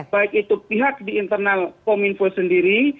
baik itu pihak di internal kominfo sendiri